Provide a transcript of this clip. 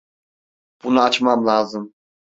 Bunu açmam lazım.